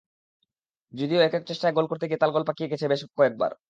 যদিও একক চেষ্টায় গোল করতে গিয়ে তালগোল পাকিয়ে গেছে বেশ কয়েকবার।